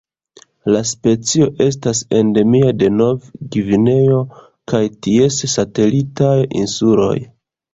La specio estas endemia de Nov-Gvineo kaj ties satelitaj insuloj.